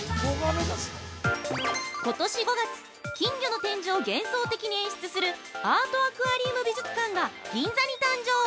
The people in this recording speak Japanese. ことし５月、金魚の展示を幻想的に演出するアートアクアリウム美術館が銀座に誕生。